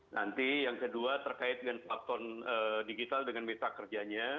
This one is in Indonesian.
nanti yang kedua terkait dengan platform digital dengan meta kerjanya